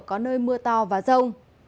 có nơi mưa to và rông